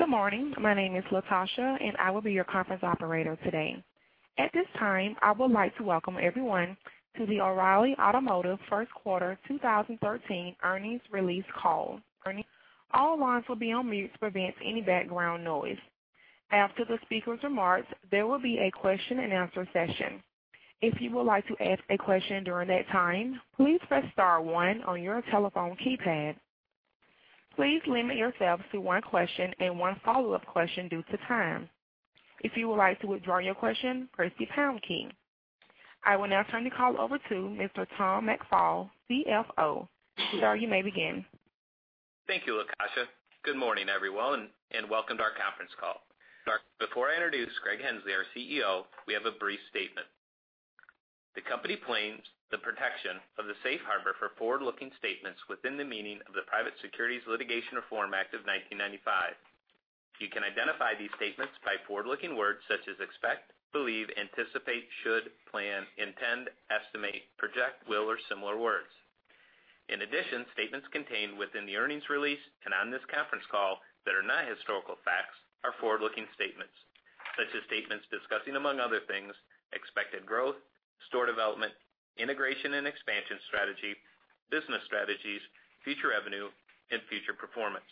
Good morning. My name is Latasha, and I will be your conference operator today. At this time, I would like to welcome everyone to the O’Reilly Automotive first quarter 2013 earnings release call. All lines will be on mute to prevent any background noise. After the speakers' remarks, there will be a question-and-answer session. If you would like to ask a question during that time, please press star one on your telephone keypad. Please limit yourselves to one question and one follow-up question due to time. If you would like to withdraw your question, press the pound key. I will now turn the call over to Mr. Tom McFall, CFO. Sir, you may begin. Thank you, Latasha. Good morning, everyone, welcome to our conference call. Before I introduce Greg Henslee, our CEO, we have a brief statement. The company claims the protection of the safe harbor for forward-looking statements within the meaning of the Private Securities Litigation Reform Act of 1995. You can identify these statements by forward-looking words such as expect, believe, anticipate, should, plan, intend, estimate, project, will, or similar words. In addition, statements contained within the earnings release and on this conference call that are not historical facts are forward-looking statements, such as statements discussing, among other things, expected growth, store development, integration and expansion strategy, business strategies, future revenue, and future performance.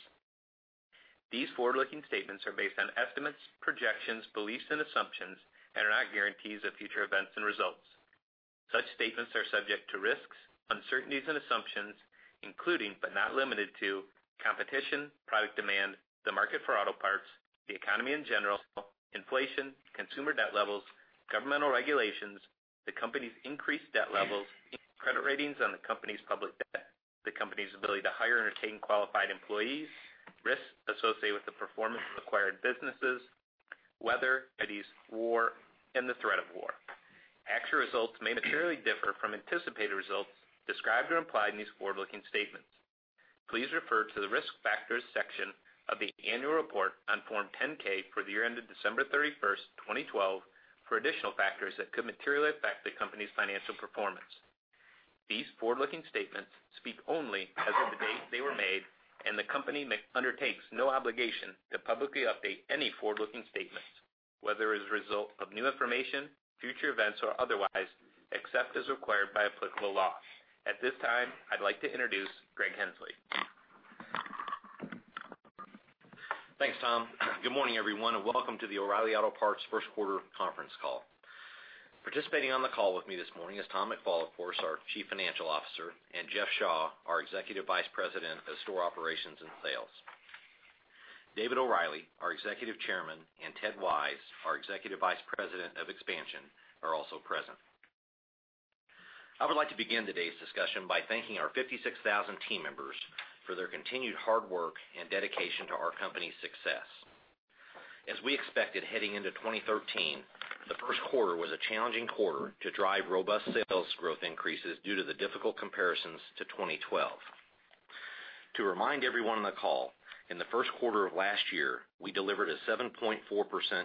These forward-looking statements are based on estimates, projections, beliefs, and assumptions and are not guarantees of future events and results. Such statements are subject to risks, uncertainties, and assumptions, including, but not limited to, competition, product demand, the market for auto parts, the economy in general, inflation, consumer debt levels, governmental regulations, the company's increased debt levels, credit ratings on the company's public debt, the company's ability to hire and retain qualified employees, risks associated with the performance of acquired businesses, weather, war, and the threat of war. Actual results may materially differ from anticipated results described or implied in these forward-looking statements. Please refer to the Risk Factors section of the annual report on Form 10-K for the year ended December 31st, 2012, for additional factors that could materially affect the company's financial performance. These forward-looking statements speak only as of the date they were made, the company undertakes no obligation to publicly update any forward-looking statements, whether as a result of new information, future events, or otherwise, except as required by applicable law. At this time, I'd like to introduce Greg Henslee. Thanks, Tom. Good morning, everyone, welcome to the O’Reilly Auto Parts first quarter conference call. Participating on the call with me this morning is Tom McFall, of course, our Chief Financial Officer, and Jeff Shaw, our Executive Vice President of Store Operations and Sales. David O’Reilly, our Executive Chairman, and Ted Wise, our Executive Vice President of Expansion, are also present. I would like to begin today's discussion by thanking our 56,000 team members for their continued hard work and dedication to our company's success. As we expected heading into 2013, the first quarter was a challenging quarter to drive robust sales growth increases due to the difficult comparisons to 2012. To remind everyone on the call, in the first quarter of last year, we delivered a 7.4%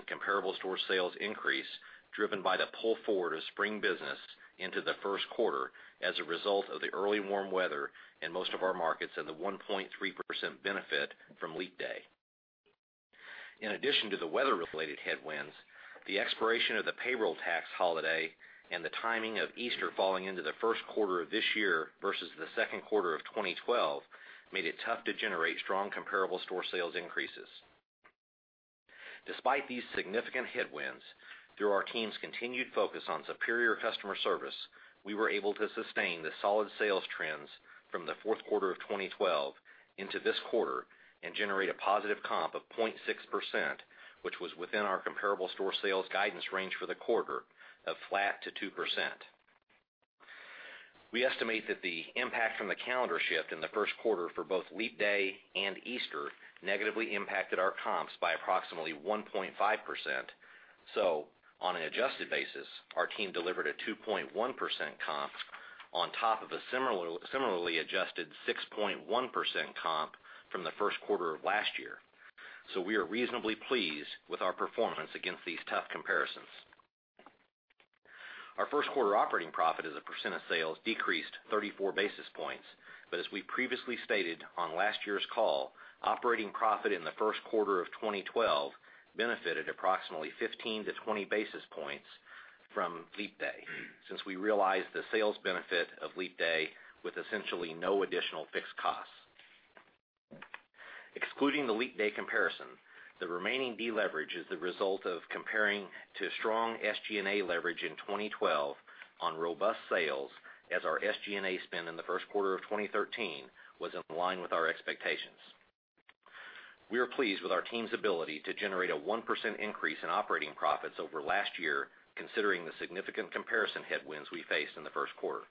comparable store sales increase driven by the pull forward of spring business into the first quarter as a result of the early warm weather in most of our markets and the 1.3% benefit from Leap Day. In addition to the weather-related headwinds, the expiration of the payroll tax holiday and the timing of Easter falling into the first quarter of this year versus the second quarter of 2012 made it tough to generate strong comparable store sales increases. Despite these significant headwinds, through our team's continued focus on superior customer service, we were able to sustain the solid sales trends from the fourth quarter of 2012 into this quarter and generate a positive comp of 0.6%, which was within our comparable store sales guidance range for the quarter of flat to 2%. We estimate that the impact from the calendar shift in the first quarter for both Leap Day and Easter negatively impacted our comps by approximately 1.5%. On an adjusted basis, our team delivered a 2.1% comp on top of a similarly adjusted 6.1% comp from the first quarter of last year. We are reasonably pleased with our performance against these tough comparisons. Our first quarter operating profit as a percent of sales decreased 34 basis points. As we previously stated on last year's call, operating profit in the first quarter of 2012 benefited approximately 15 to 20 basis points from Leap Day since we realized the sales benefit of Leap Day with essentially no additional fixed costs. Excluding the Leap Day comparison, the remaining deleverage is the result of comparing to strong SG&A leverage in 2012 on robust sales as our SG&A spend in the first quarter of 2013 was in line with our expectations. We are pleased with our team's ability to generate a 1% increase in operating profits over last year, considering the significant comparison headwinds we faced in the first quarter.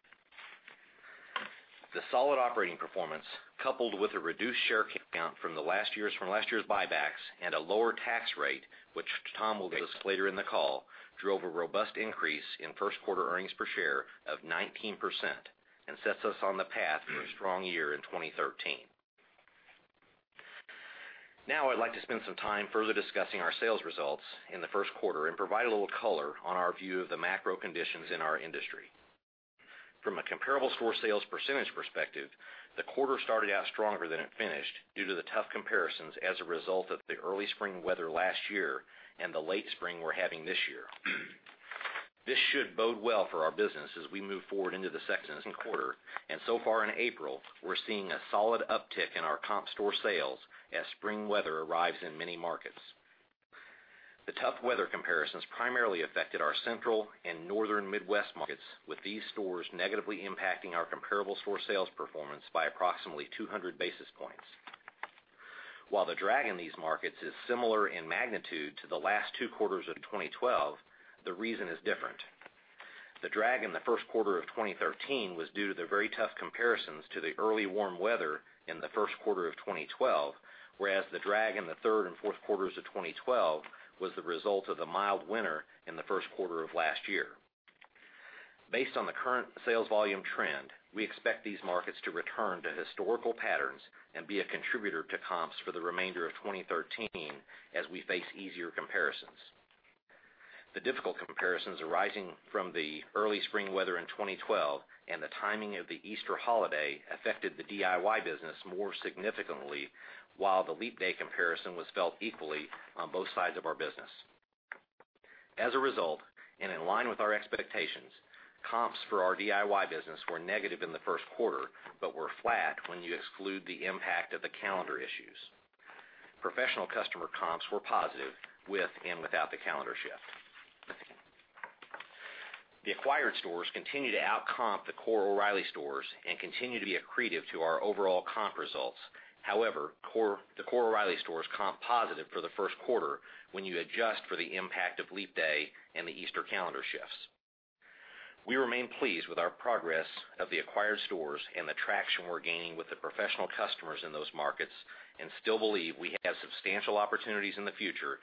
The solid operating performance, coupled with a reduced share count from last year's buybacks and a lower tax rate, which Tom will give us later in the call, drove a robust increase in first quarter earnings per share of 19% and sets us on the path for a strong year in 2013. Now, I'd like to spend some time further discussing our sales results in the first quarter and provide a little color on our view of the macro conditions in our industry. From a comparable store sales percentage perspective, the quarter started out stronger than it finished due to the tough comparisons as a result of the early spring weather last year and the late spring we're having this year. This should bode well for our business as we move forward into the second quarter. So far in April, we're seeing a solid uptick in our comp store sales as spring weather arrives in many markets. The tough weather comparisons primarily affected our Central and Northern Midwest markets, with these stores negatively impacting our comparable store sales performance by approximately 200 basis points. While the drag in these markets is similar in magnitude to the last two quarters of 2012, the reason is different. The drag in the first quarter of 2013 was due to the very tough comparisons to the early warm weather in the first quarter of 2012, whereas the drag in the third and fourth quarters of 2012 was the result of the mild winter in the first quarter of last year. Based on the current sales volume trend, we expect these markets to return to historical patterns and be a contributor to comps for the remainder of 2013 as we face easier comparisons. The difficult comparisons arising from the early spring weather in 2012 and the timing of the Easter holiday affected the DIY business more significantly, while the Leap Day comparison was felt equally on both sides of our business. As a result, in line with our expectations, comps for our DIY business were negative in the first quarter, but were flat when you exclude the impact of the calendar issues. Professional customer comps were positive with and without the calendar shift. The acquired stores continue to outcomp the core O’Reilly stores and continue to be accretive to our overall comp results. However, the core O’Reilly stores comp positive for the first quarter when you adjust for the impact of Leap Day and the Easter calendar shifts. We remain pleased with our progress of the acquired stores and the traction we're gaining with the professional customers in those markets and still believe we have substantial opportunities in the future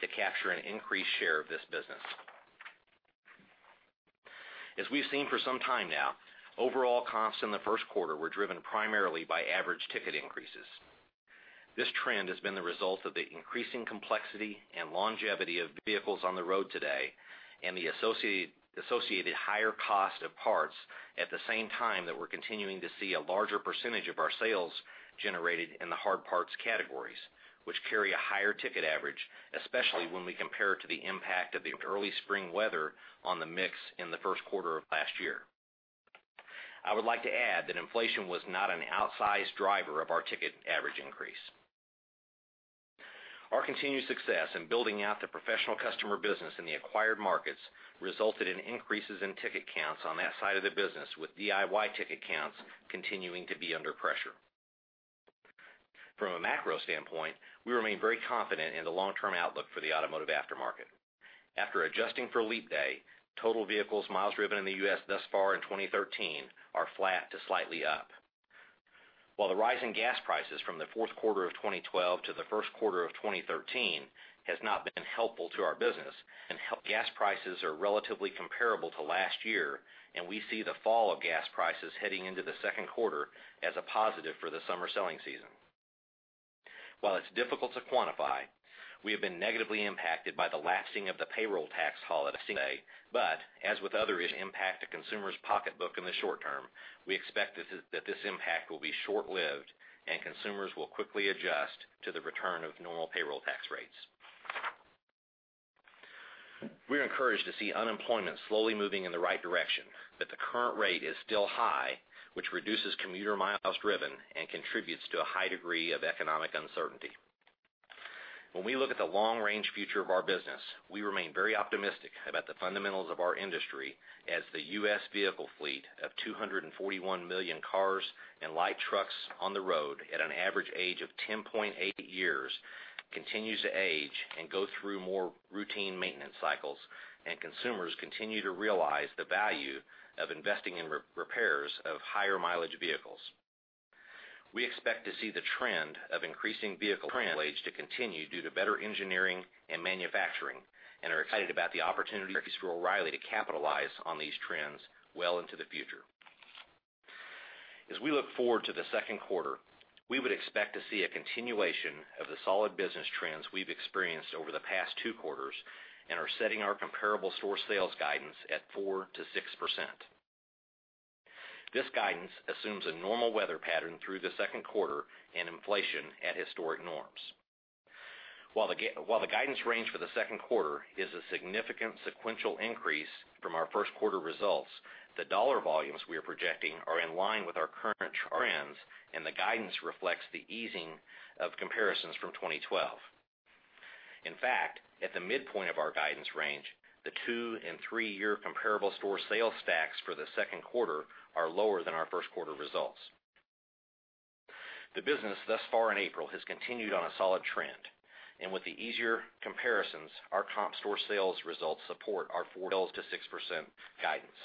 to capture an increased share of this business. As we've seen for some time now, overall comps in the first quarter were driven primarily by average ticket increases. This trend has been the result of the increasing complexity and longevity of vehicles on the road today and the associated higher cost of parts at the same time that we're continuing to see a larger percentage of our sales generated in the hard parts categories, which carry a higher ticket average, especially when we compare it to the impact of the early spring weather on the mix in the first quarter of last year. I would like to add that inflation was not an outsized driver of our ticket average increase. Our continued success in building out the professional customer business in the acquired markets resulted in increases in ticket counts on that side of the business, with DIY ticket counts continuing to be under pressure. From a macro standpoint, we remain very confident in the long-term outlook for the automotive aftermarket. After adjusting for Leap Day, total vehicles miles driven in the U.S. thus far in 2013 are flat to slightly up. While the rise in gas prices from the fourth quarter of 2012 to the first quarter of 2013 has not been helpful to our business and gas prices are relatively comparable to last year, we see the fall of gas prices heading into the second quarter as a positive for the summer selling season. While it's difficult to quantify, we have been negatively impacted by the lapsing of the payroll tax holiday, as with other issues that impact a consumer's pocketbook in the short term, we expect that this impact will be short-lived and consumers will quickly adjust to the return of normal payroll tax rates. We're encouraged to see unemployment slowly moving in the right direction, but the current rate is still high, which reduces commuter miles driven and contributes to a high degree of economic uncertainty. When we look at the long-range future of our business, we remain very optimistic about the fundamentals of our industry as the U.S. vehicle fleet of 241 million cars and light trucks on the road at an average age of 10.8 years continues to age and go through more routine maintenance cycles and consumers continue to realize the value of investing in repairs of higher mileage vehicles. We expect to see the trend of increasing vehicle mileage to continue due to better engineering and manufacturing and are excited about the opportunities for O’Reilly to capitalize on these trends well into the future. As we look forward to the second quarter, we would expect to see a continuation of the solid business trends we've experienced over the past two quarters and are setting our comparable store sales guidance at 4%-6%. This guidance assumes a normal weather pattern through the second quarter and inflation at historic norms. While the guidance range for the second quarter is a significant sequential increase from our first quarter results, the dollar volumes we are projecting are in line with our current trends, and the guidance reflects the easing of comparisons from 2012. In fact, at the midpoint of our guidance range, the two and three-year comparable store sales stacks for the second quarter are lower than our first quarter results. The business thus far in April has continued on a solid trend, and with the easier comparisons, our comp store sales results support our 4%-6% guidance.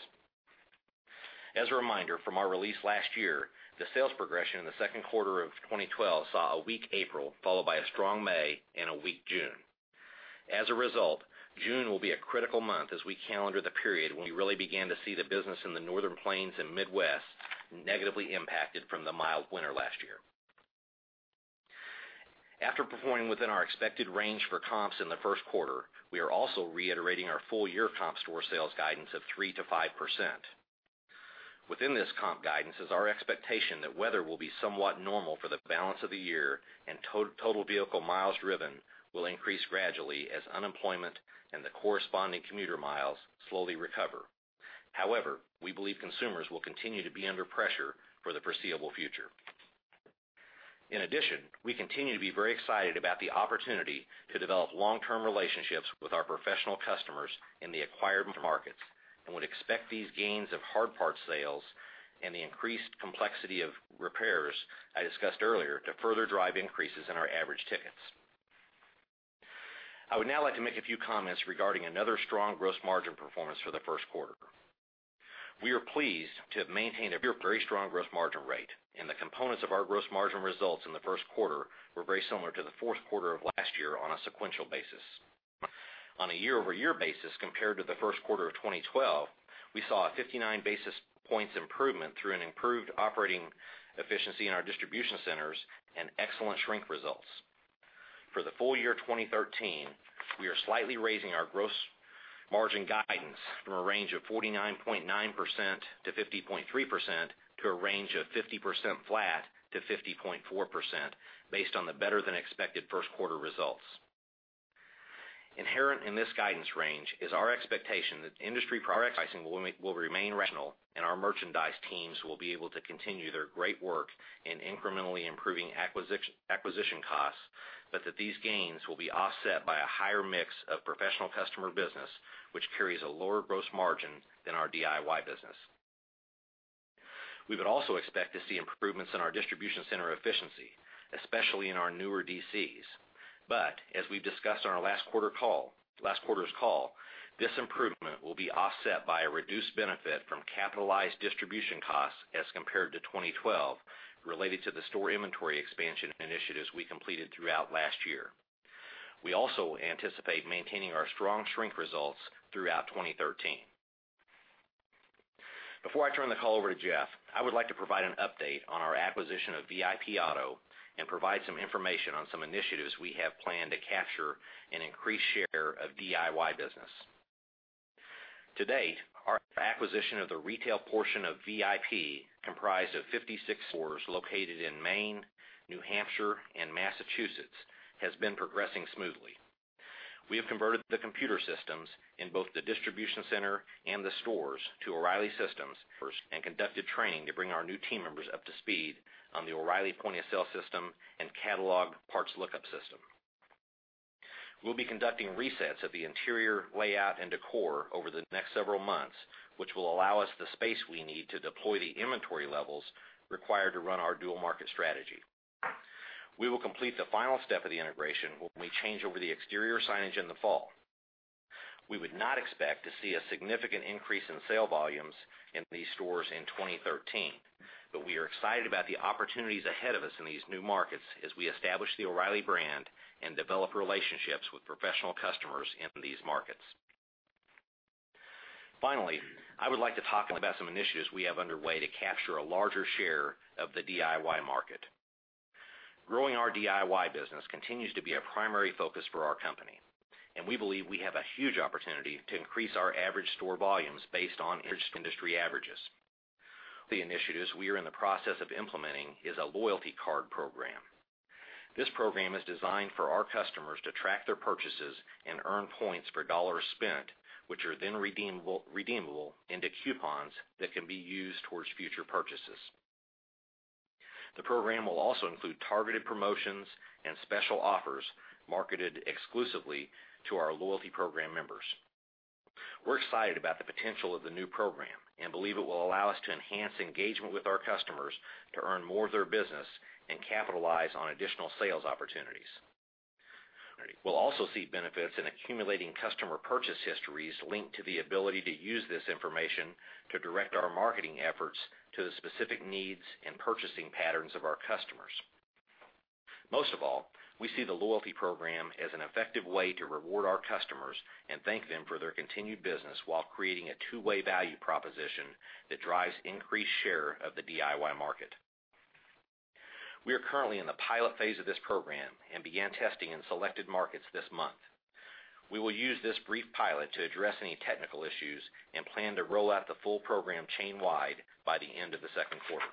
As a reminder from our release last year, the sales progression in the second quarter of 2012 saw a weak April, followed by a strong May and a weak June. As a result, June will be a critical month as we calendar the period when we really began to see the business in the Northern Plains and Midwest negatively impacted from the mild winter last year. After performing within our expected range for comps in the first quarter, we are also reiterating our full-year comp store sales guidance of 3%-5%. Within this comp guidance is our expectation that weather will be somewhat normal for the balance of the year, and total vehicle miles driven will increase gradually as unemployment and the corresponding commuter miles slowly recover. We believe consumers will continue to be under pressure for the foreseeable future. We continue to be very excited about the opportunity to develop long-term relationships with our professional customers in the acquired markets and would expect these gains of hard part sales and the increased complexity of repairs I discussed earlier to further drive increases in our average tickets. I would now like to make a few comments regarding another strong gross margin performance for the first quarter. We are pleased to have maintained a very strong gross margin rate. The components of our gross margin results in the first quarter were very similar to the fourth quarter of last year on a sequential basis. On a year-over-year basis compared to the first quarter of 2012, we saw a 59 basis points improvement through an improved operating efficiency in our distribution centers and excellent shrink results. The full year 2013, we are slightly raising our gross margin guidance from a range of 49.9%-50.3% to a range of 50%-50.4%, based on the better-than-expected first quarter results. Inherent in this guidance range is our expectation that industry product pricing will remain rational and our merchandise teams will be able to continue their great work in incrementally improving acquisition costs, but that these gains will be offset by a higher mix of professional customer business, which carries a lower gross margin than our DIY business. We would also expect to see improvements in our distribution center efficiency, especially in our newer DCs. As we've discussed on our last quarter's call, this improvement will be offset by a reduced benefit from capitalized distribution costs as compared to 2012 related to the store inventory expansion initiatives we completed throughout last year. We also anticipate maintaining our strong shrink results throughout 2013. Before I turn the call over to Jeff, I would like to provide an update on our acquisition of VIP Auto and provide some information on some initiatives we have planned to capture an increased share of DIY business. To date, our acquisition of the retail portion of VIP, comprised of 56 stores located in Maine, New Hampshire, and Massachusetts, has been progressing smoothly. We have converted the computer systems in both the distribution center and the stores to O'Reilly systems and conducted training to bring our new team members up to speed on the O'Reilly point-of-sale system and catalog parts lookup system. We'll be conducting resets of the interior layout and decor over the next several months, which will allow us the space we need to deploy the inventory levels required to run our dual market strategy. We will complete the final step of the integration when we change over the exterior signage in the fall. We would not expect to see a significant increase in sale volumes in these stores in 2013, but we are excited about the opportunities ahead of us in these new markets as we establish the O'Reilly brand and develop relationships with professional customers in these markets. Finally, I would like to talk about some initiatives we have underway to capture a larger share of the DIY market. Growing our DIY business continues to be a primary focus for our company, and we believe we have a huge opportunity to increase our average store volumes based on industry averages. The initiatives we are in the process of implementing is a loyalty card program. This program is designed for our customers to track their purchases and earn points for dollars spent, which are then redeemable into coupons that can be used towards future purchases. The program will also include targeted promotions and special offers marketed exclusively to our loyalty program members. We're excited about the potential of the new program and believe it will allow us to enhance engagement with our customers to earn more of their business and capitalize on additional sales opportunities. We'll also see benefits in accumulating customer purchase histories linked to the ability to use this information to direct our marketing efforts to the specific needs and purchasing patterns of our customers. Most of all, we see the loyalty program as an effective way to reward our customers and thank them for their continued business while creating a two-way value proposition that drives increased share of the DIY market. We are currently in the pilot phase of this program and began testing in selected markets this month. We will use this brief pilot to address any technical issues and plan to roll out the full program chain-wide by the end of the second quarter.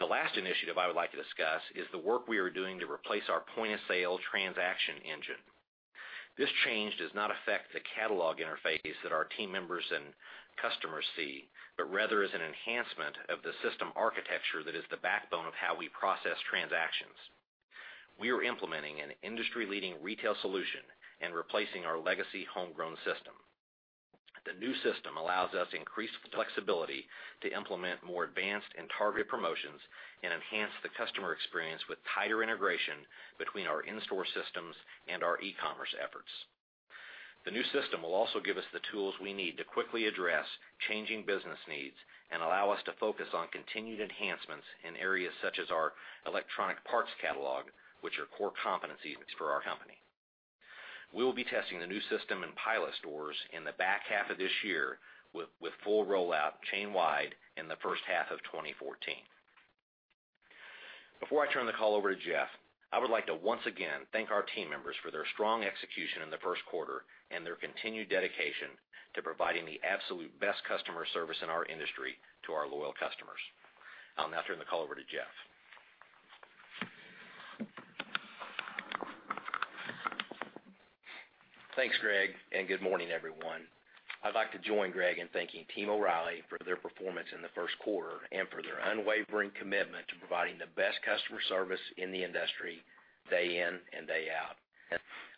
The last initiative I would like to discuss is the work we are doing to replace our point-of-sale transaction engine. This change does not affect the catalog interface that our team members and customers see, but rather is an enhancement of the system architecture that is the backbone of how we process transactions. We are implementing an industry-leading retail solution and replacing our legacy homegrown system. The new system allows us increased flexibility to implement more advanced and targeted promotions and enhance the customer experience with tighter integration between our in-store systems and our e-commerce efforts. The new system will also give us the tools we need to quickly address changing business needs and allow us to focus on continued enhancements in areas such as our electronic parts catalog, which are core competencies for our company. We will be testing the new system in pilot stores in the back half of this year, with full rollout chain-wide in the first half of 2014. Before I turn the call over to Jeff, I would like to once again thank our team members for their strong execution in the first quarter and their continued dedication to providing the absolute best customer service in our industry to our loyal customers. I'll now turn the call over to Jeff. Thanks, Greg, good morning, everyone. I'd like to join Greg in thanking Team O'Reilly for their performance in the first quarter and for their unwavering commitment to providing the best customer service in the industry, day in and day out.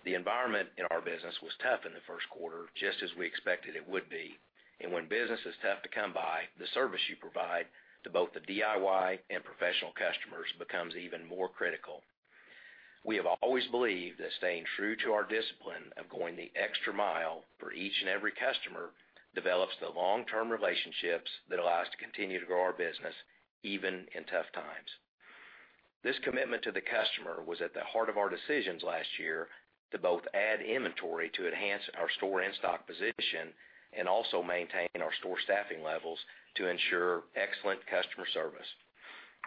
The environment in our business was tough in the first quarter, just as we expected it would be. When business is tough to come by, the service you provide to both the DIY and professional customers becomes even more critical. We have always believed that staying true to our discipline of going the extra mile for each and every customer develops the long-term relationships that allow us to continue to grow our business, even in tough times. This commitment to the customer was at the heart of our decisions last year to both add inventory to enhance our store in-stock position and also maintain our store staffing levels to ensure excellent customer service.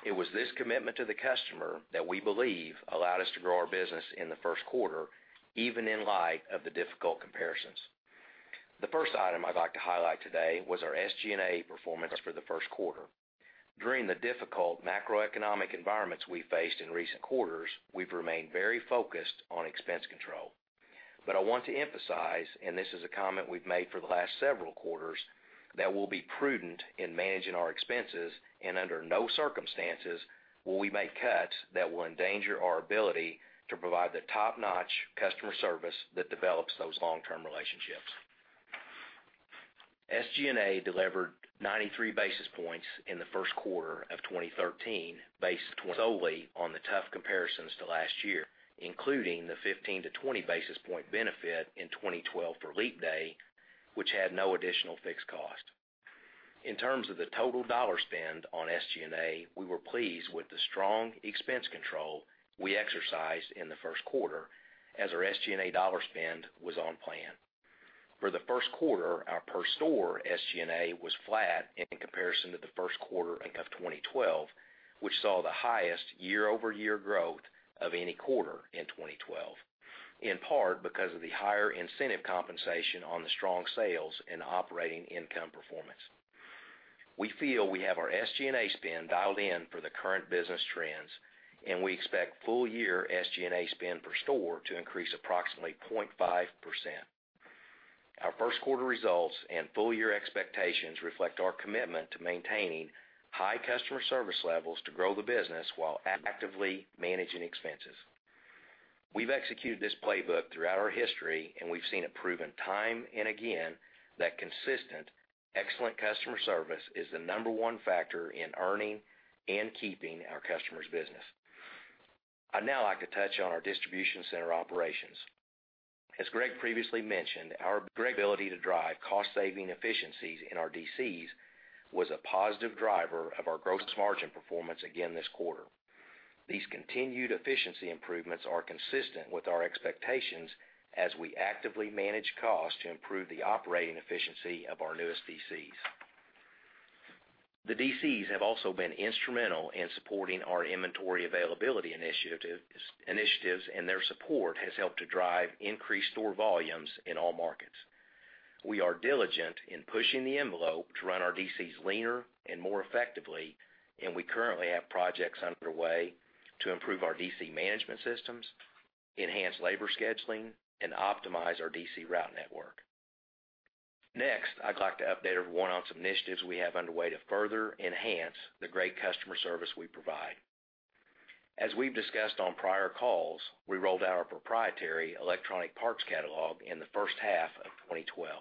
It was this commitment to the customer that we believe allowed us to grow our business in the first quarter, even in light of the difficult comparisons. The first item I'd like to highlight today was our SG&A performance for the first quarter. During the difficult macroeconomic environments we faced in recent quarters, we've remained very focused on expense control. I want to emphasize, and this is a comment we've made for the last several quarters, that we'll be prudent in managing our expenses, and under no circumstances will we make cuts that will endanger our ability to provide the top-notch customer service that develops those long-term relationships. SG&A delivered 93 basis points in the first quarter of 2013 based solely on the tough comparisons to last year, including the 15 to 20 basis point benefit in 2012 for Leap Day, which had no additional fixed cost. In terms of the total dollar spend on SG&A, we were pleased with the strong expense control we exercised in the first quarter as our SG&A dollar spend was on plan. For the first quarter, our per store SG&A was flat in comparison to the first quarter of 2012, which saw the highest year-over-year growth of any quarter in 2012, in part because of the higher incentive compensation on the strong sales and operating income performance. We feel we have our SG&A spend dialed in for the current business trends. We expect full year SG&A spend per store to increase approximately 0.5%. Our first quarter results and full year expectations reflect our commitment to maintaining high customer service levels to grow the business while actively managing expenses. We've executed this playbook throughout our history. We've seen it proven time and again that consistent excellent customer service is the number 1 factor in earning and keeping our customers' business. I'd now like to touch on our distribution center operations. As Greg previously mentioned, our ability to drive cost-saving efficiencies in our DCs was a positive driver of our gross margin performance again this quarter. These continued efficiency improvements are consistent with our expectations as we actively manage costs to improve the operating efficiency of our newest DCs. Their support has helped to drive increased store volumes in all markets. We are diligent in pushing the envelope to run our DCs leaner and more effectively, and we currently have projects underway to improve our DC management systems, enhance labor scheduling, and optimize our DC route network. Next, I'd like to update everyone on some initiatives we have underway to further enhance the great customer service we provide. As we've discussed on prior calls, we rolled out our proprietary electronic parts catalog in the first half of 2012.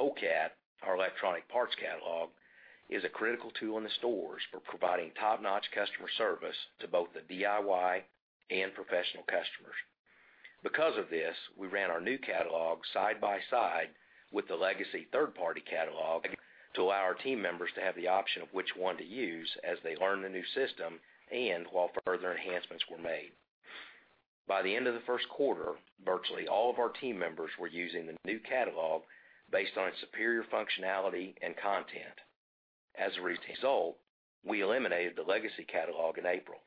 OCAT, our electronic parts catalog, is a critical tool in the stores for providing top-notch customer service to both the DIY and professional customers. Because of this, we ran our new catalog side by side with the legacy third-party catalog to allow our team members to have the option of which one to use as they learn the new system and while further enhancements were made. By the end of the first quarter, virtually all of our team members were using the new catalog based on its superior functionality and content. As a result, we eliminated the legacy catalog in April.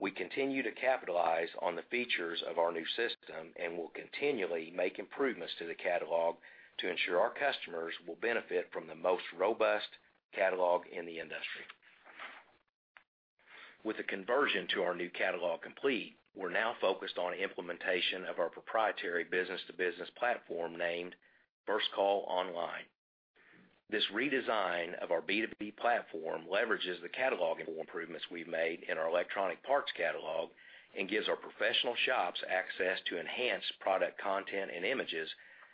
We continue to capitalize on the features of our new system and will continually make improvements to the catalog to ensure our customers will benefit from the most robust catalog in the industry. With the conversion to our new catalog complete, we're now focused on implementation of our proprietary business-to-business platform named FirstCall Online. This redesign of our B2B platform leverages the catalog improvements we've made in our electronic parts catalog and gives our professional shops access to enhanced product content and images,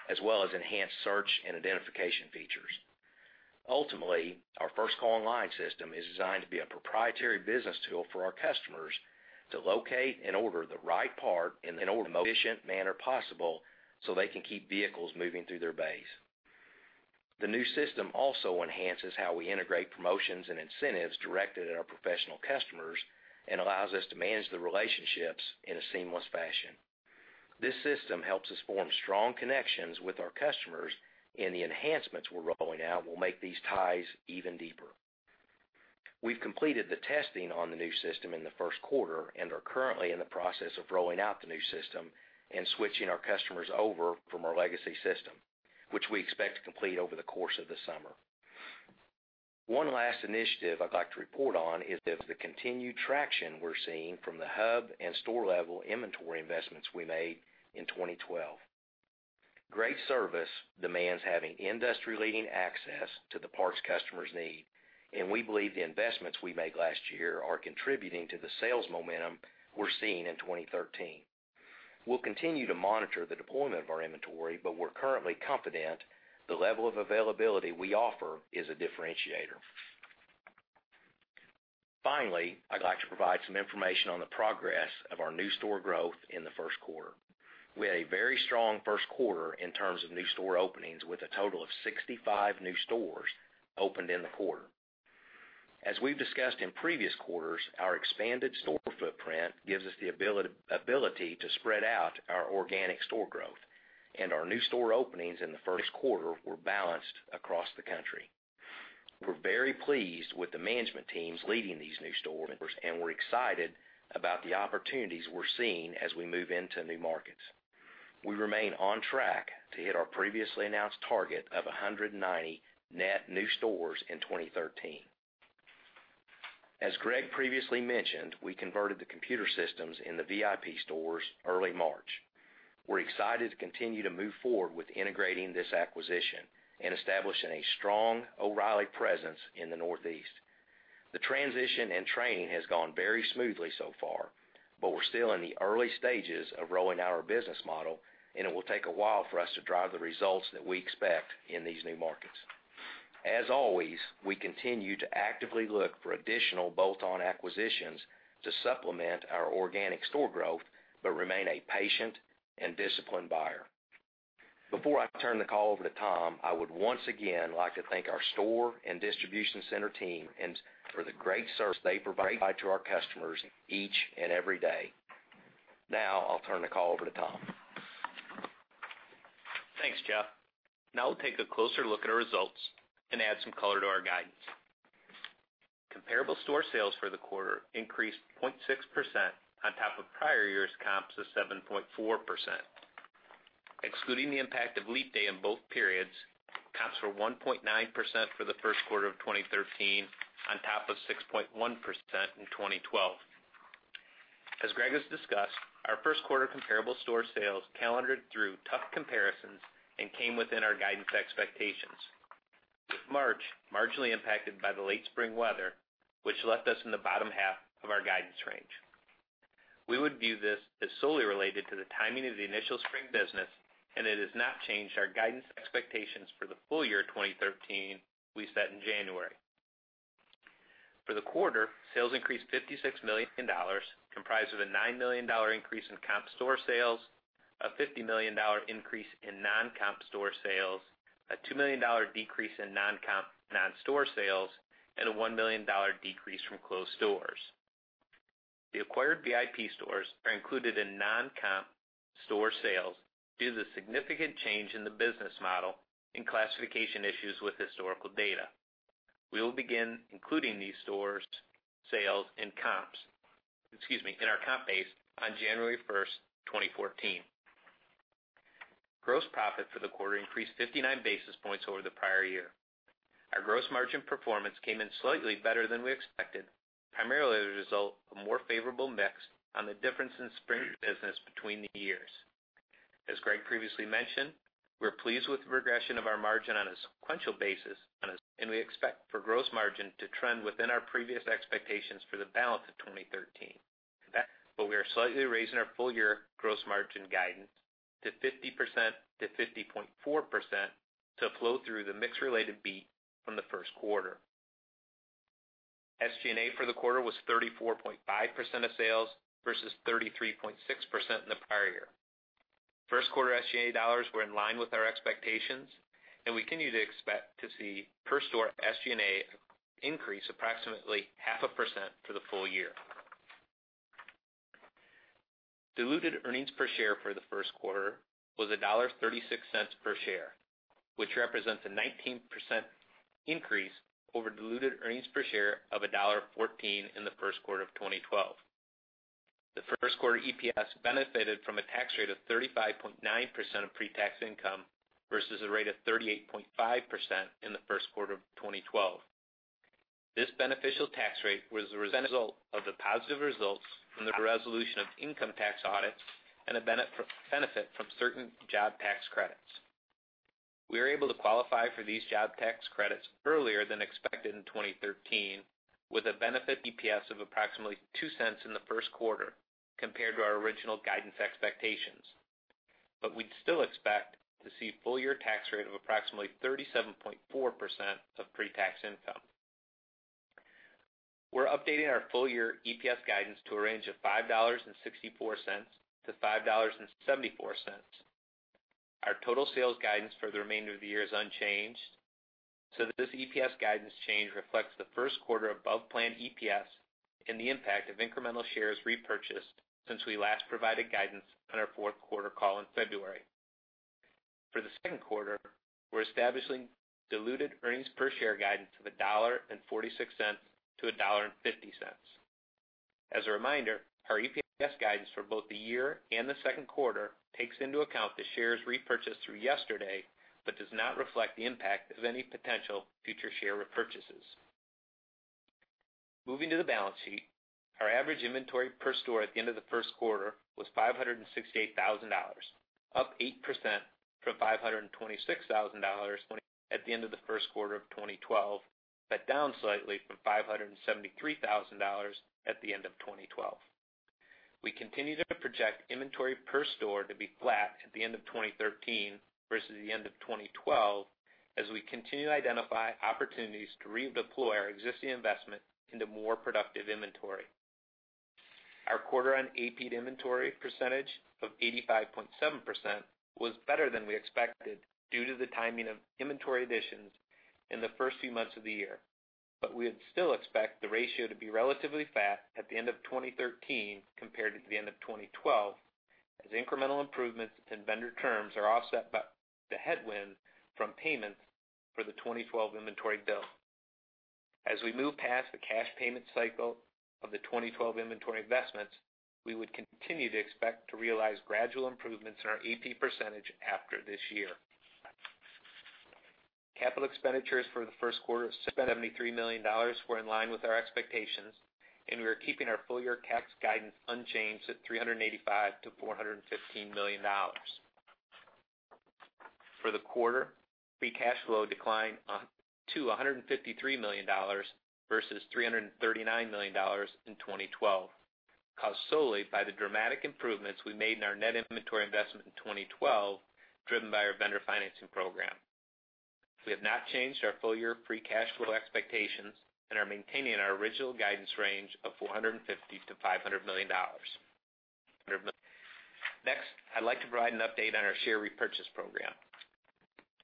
as well as enhanced search and identification features. Ultimately, our FirstCall Online system is designed to be a proprietary business tool for our customers to locate and order the right part in the most efficient manner possible so they can keep vehicles moving through their bays. The new system also enhances how we integrate promotions and incentives directed at our professional customers and allows us to manage the relationships in a seamless fashion. This system helps us form strong connections with our customers, and the enhancements we're rolling out will make these ties even deeper. We've completed the testing on the new system in the first quarter and are currently in the process of rolling out the new system and switching our customers over from our legacy system, which we expect to complete over the course of the summer. One last initiative I'd like to report on is the continued traction we're seeing from the hub and store-level inventory investments we made in 2012. Great service demands having industry-leading access to the parts customers need, and we believe the investments we made last year are contributing to the sales momentum we're seeing in 2013. We'll continue to monitor the deployment of our inventory, but we're currently confident the level of availability we offer is a differentiator. Finally, I'd like to provide some information on the progress of our new store growth in the first quarter. We had a very strong first quarter in terms of new store openings with a total of 65 new stores opened in the quarter. As we've discussed in previous quarters, our expanded store footprint gives us the ability to spread out our organic store growth. Our new store openings in the first quarter were balanced across the country. We're very pleased with the management teams leading these new store openers, and we're excited about the opportunities we're seeing as we move into new markets. We remain on track to hit our previously announced target of 190 net new stores in 2013. As Greg previously mentioned, we converted the computer systems in the VIP stores early March. We're excited to continue to move forward with integrating this acquisition and establishing a strong O’Reilly presence in the Northeast. The transition and training has gone very smoothly so far, but we're still in the early stages of rolling out our business model, and it will take a while for us to drive the results that we expect in these new markets. As always, we continue to actively look for additional bolt-on acquisitions to supplement our organic store growth, but remain a patient and disciplined buyer. Before I turn the call over to Tom, I would once again like to thank our store and distribution center team for the great service they provide to our customers each and every day. I'll turn the call over to Tom. Thanks, Jeff. We'll take a closer look at our results and add some color to our guidance. Comparable store sales for the quarter increased 0.6% on top of prior year's comps of 7.4%. Excluding the impact of leap day in both periods, comps were 1.9% for the first quarter of 2013 on top of 6.1% in 2012. As Greg has discussed, our first quarter comparable store sales calendared through tough comparisons and came within our guidance expectations, with March marginally impacted by the late spring weather, which left us in the bottom half of our guidance range. We would view this as solely related to the timing of the initial spring business, and it has not changed our guidance expectations for the full year 2013 we set in January. For the quarter, sales increased $56 million, comprised of a $9 million increase in comp store sales, a $50 million increase in non-comp store sales, a $2 million decrease in non-comp non-store sales, and a $1 million decrease from closed stores. The acquired VIP stores are included in non-comp store sales due to the significant change in the business model and classification issues with historical data. We will begin including these stores' sales in our comp base on January 1st, 2014. Gross profit for the quarter increased 59 basis points over the prior year. Our gross margin performance came in slightly better than we expected, primarily as a result of more favorable mix on the difference in spring business between the years. As Greg previously mentioned, we're pleased with the progression of our margin on a sequential basis, and we expect for gross margin to trend within our previous expectations for the balance of 2013. We are slightly raising our full year gross margin guidance to 50%-50.4% to flow through the mix-related beat from the first quarter. SG&A for the quarter was 34.5% of sales versus 33.6% in the prior year. First quarter SG&A dollars were in line with our expectations, and we continue to expect to see per store SG&A increase approximately 0.5% for the full year. Diluted earnings per share for the first quarter was $1.36 per share, which represents a 19% increase over diluted earnings per share of $1.14 in the first quarter of 2012. The first quarter EPS benefited from a tax rate of 35.9% of pre-tax income versus a rate of 38.5% in the first quarter of 2012. This beneficial tax rate was a result of the positive results from the resolution of income tax audits and a benefit from certain job tax credits. We were able to qualify for these job tax credits earlier than expected in 2013 with a benefit EPS of approximately $0.02 in the first quarter compared to our original guidance expectations. We'd still expect to see full year tax rate of approximately 37.4% of pre-tax income. We're updating our full year EPS guidance to a range of $5.64-$5.74. Our total sales guidance for the remainder of the year is unchanged, this EPS guidance change reflects the first quarter above-plan EPS and the impact of incremental shares repurchased since we last provided guidance on our fourth quarter call in February. For the second quarter, we're establishing diluted earnings per share guidance of $1.46-$1.50. As a reminder, our EPS guidance for both the year and the second quarter takes into account the shares repurchased through yesterday, does not reflect the impact of any potential future share repurchases. Moving to the balance sheet, our average inventory per store at the end of the first quarter was $568,000, up 8% from $526,000 at the end of the first quarter of 2012, but down slightly from $573,000 at the end of 2012. We continue to project inventory per store to be flat at the end of 2013 versus the end of 2012, as we continue to identify opportunities to redeploy our existing investment into more productive inventory. Our quarter on AP inventory percentage of 85.7% was better than we expected due to the timing of inventory additions in the first few months of the year. We would still expect the ratio to be relatively flat at the end of 2013 compared to the end of 2012, as incremental improvements in vendor terms are offset by the headwind from payments for the 2012 inventory build. As we move past the cash payment cycle of the 2012 inventory investments, we would continue to expect to realize gradual improvements in our AP percentage after this year. Capital expenditures for the first quarter of $73 million were in line with our expectations. We are keeping our full year CapEx guidance unchanged at $385 million to $415 million. For the quarter, free cash flow declined to $153 million versus $339 million in 2012, caused solely by the dramatic improvements we made in our net inventory investment in 2012, driven by our vendor financing program. We have not changed our full year free cash flow expectations. Are maintaining our original guidance range of $450 million to $500 million. I'd like to provide an update on our share repurchase program.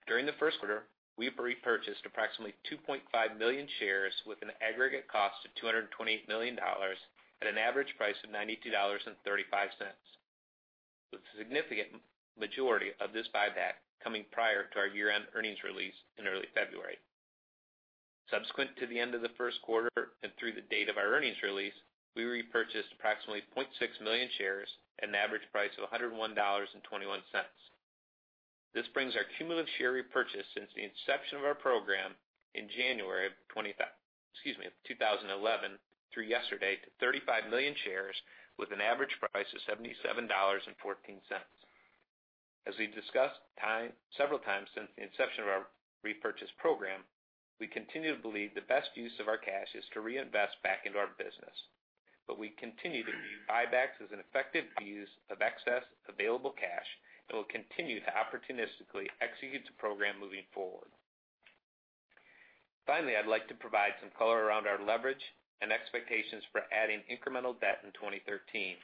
During the first quarter, we repurchased approximately 2.5 million shares with an aggregate cost of $228 million at an average price of $92.35. The significant majority of this buyback coming prior to our year-end earnings release in early February. Subsequent to the end of the first quarter and through the date of our earnings release, we repurchased approximately 0.6 million shares at an average price of $101.21. This brings our cumulative share repurchase since the inception of our program in January of 2011 through yesterday to 35 million shares with an average price of $77.14. As we discussed several times since the inception of our repurchase program, we continue to believe the best use of our cash is to reinvest back into our business. We continue to view buybacks as an effective use of excess available cash and will continue to opportunistically execute the program moving forward. I'd like to provide some color around our leverage and expectations for adding incremental debt in 2013.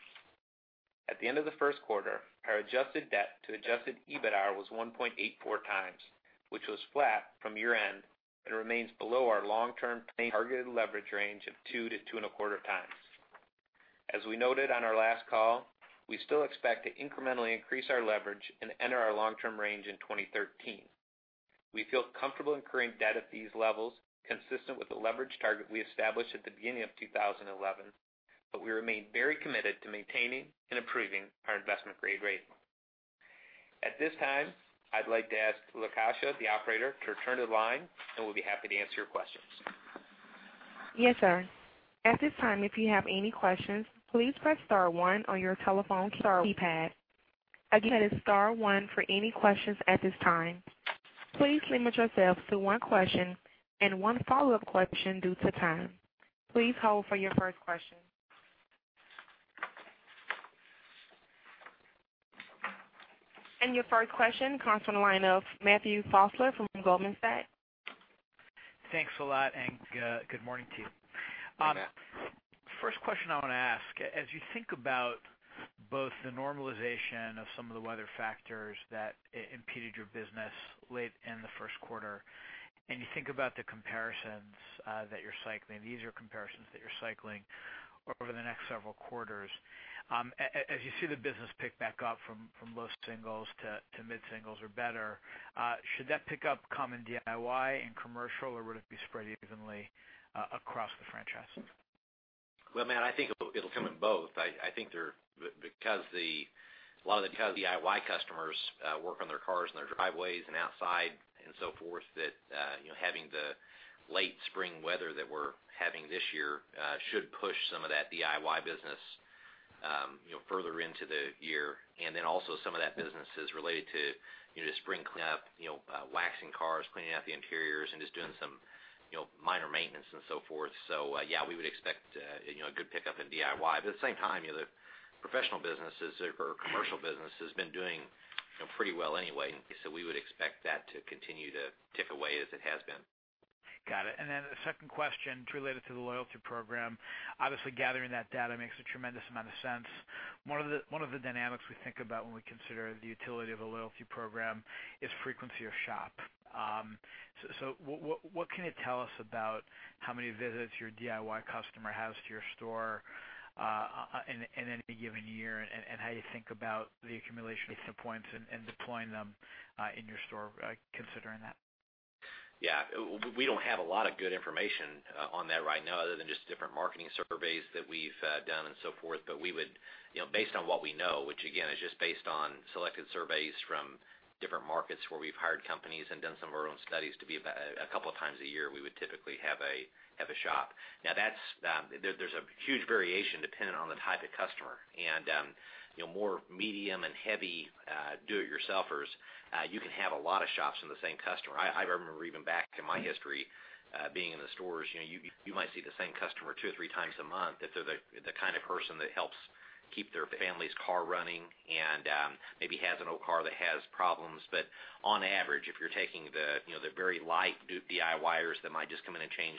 At the end of the first quarter, our adjusted debt to adjusted EBITDAR was 1.84 times, which was flat from year-end and remains below our long-term targeted leverage range of 2 to 2.25 times. As we noted on our last call, we still expect to incrementally increase our leverage and enter our long-term range in 2013. We feel comfortable incurring debt at these levels consistent with the leverage target we established at the beginning of 2011. We remain very committed to maintaining and improving our investment-grade rating. At this time, I'd like to ask Latasha, the operator, to return to the line. We'll be happy to answer your questions. Yes, sir. At this time, if you have any questions, please press star one on your telephone keypad. Again, that is star one for any questions at this time. Please limit yourself to one question and one follow-up question due to time. Please hold for your first question. Your first question comes from the line of Matthew Fassler from Goldman Sachs. Thanks a lot, and good morning to you. Hi, Matt. First question I want to ask, as you think about both the normalization of some of the weather factors that impeded your business late in the first quarter, and you think about the easier comparisons that you're cycling over the next several quarters. As you see the business pick back up from low singles to mid-singles or better, should that pickup come in DIY and commercial, or would it be spread evenly across the franchise? Well, Matt, I think it'll come in both. I think because a lot of the DIY customers work on their cars in their driveways and outside and so forth, that having the late spring weather that we're having this year should push some of that DIY business further into the year. Also some of that business is related to spring cleanup, waxing cars, cleaning out the interiors and just doing some minor maintenance and so forth. Yeah, we would expect A good pickup in DIY. At the same time, the professional businesses or commercial business has been doing pretty well anyway. We would expect that to continue to tick away as it has been. Got it. The second question, it's related to the loyalty program. Obviously, gathering that data makes a tremendous amount of sense. One of the dynamics we think about when we consider the utility of a loyalty program is frequency of shop. What can you tell us about how many visits your DIY customer has to your store in any given year, and how you think about the accumulation of points and deploying them in your store considering that? Yeah. We don't have a lot of good information on that right now other than just different marketing surveys that we've done and so forth. Based on what we know, which again, is just based on selected surveys from different markets where we've hired companies and done some of our own studies to be about a couple of times a year, we would typically have a shop. Now there's a huge variation depending on the type of customer and more medium and heavy do-it-yourselfers, you can have a lot of shops in the same customer. I remember even back in my history, being in the stores, you might see the same customer two or three times a month if they're the kind of person that helps keep their family's car running and maybe has an old car that has problems. On average, if you're taking the very light DIYers that might just come in and change